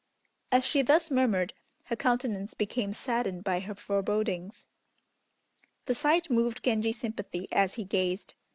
As she thus murmured, her countenance became saddened by her forebodings. The sight moved Genji's sympathy as he gazed.